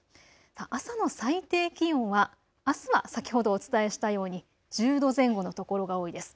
朝の最低気温はあすは先ほどお伝えしたように１０度前後のところが多いです。